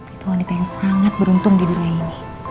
itu wanita yang sangat beruntung di dunia ini